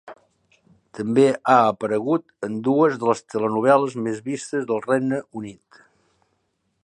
També ha aparegut en dues de les telenovel·les més vistes del Regne Unit.